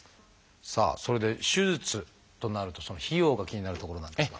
さあそれで手術となるとその費用が気になるところなんですが。